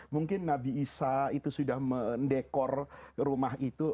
mungkin nabi isa itu sudah mendekor rumah itu